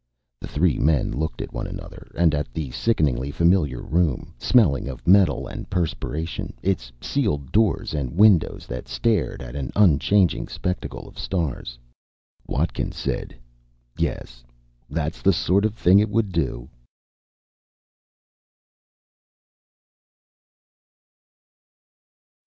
The three men looked at one another and at the sickeningly familiar room smelling of metal and perspiration, its sealed doors and windows that stared at an unchanging spectacle of stars. Watkins said, "Yes, that's the sort of thing it would do."